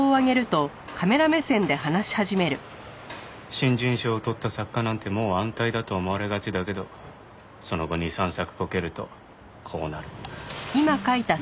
新人賞を取った作家なんてもう安泰だと思われがちだけどその後２３作コケるとこうなる。